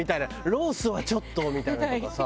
ロースはちょっとみたいなのとかさ。